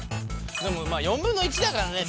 でもまあ４分の１だからねＢ！